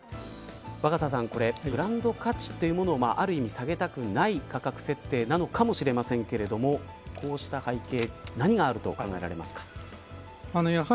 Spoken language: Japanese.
若狭さんブランド価値というものをある意味、下げたくない価格設定なのかもしれませんがこうした背景何があると考えられますか。